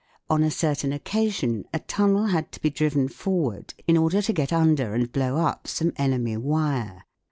On a certain occasion a tunnel had to be driven forward in order to get under and blow up some enemy wire.